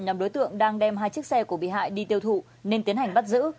nhóm đối tượng đang đem hai chiếc xe của bị hại đi tiêu thụ nên tiến hành bắt giữ